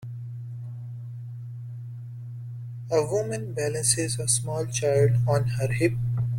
A woman balances a small child on her hip.